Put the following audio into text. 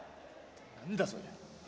何だそれ。